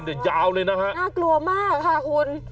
น่ากลัวมากค่ะคุณ